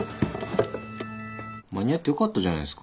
間に合ってよかったじゃないですか。